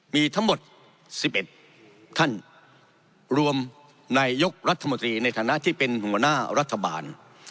มีทั้งหมด๑๑ท่านรวมนายกรัฐมนตรีในฐานะที่เป็นหัวหน้ารัฐบาล